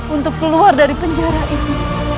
untuk keluar dari penjara itu